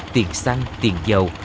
tiền xăng tiền dầu